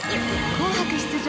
紅白出場